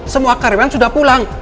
semua karyawan sudah pulang